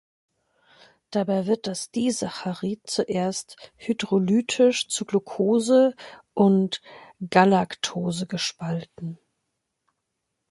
Dabei wird das Disaccharid zuerst hydrolytisch zu Glucose und Galactose gespalten.